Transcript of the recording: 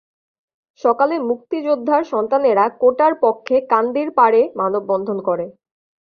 সকালে মুক্তিযোদ্ধার সন্তানেরা কোটার পক্ষে কান্দিরপাড়ে মানববন্ধন করে।